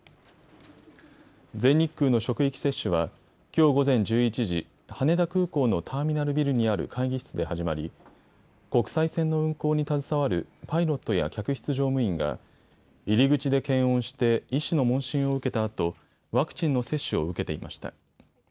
全日空の職域接種はきょう午前１１時、羽田空港のターミナルビルにある会議室で始まり国際線の運航に携わるパイロットや客室乗務員が入り口で検温して医師の問診を受けたあとワクチンの接種を受けていました。